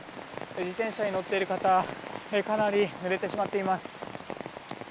自転車に乗っている方かなりぬれてしまっています。